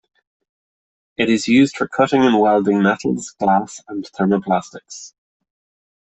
It is used for cutting and welding, metals, glass, and thermoplastics.